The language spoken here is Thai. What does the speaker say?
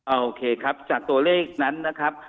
โอเคครับจากตัวเลขนั้นนะครับ